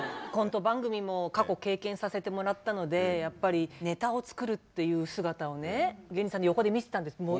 コント番組も過去経験させてもらったのでやっぱりネタを作るっていう姿をね芸人さんの横で見てたんです。